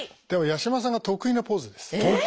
でも八嶋さんが得意なポーズです。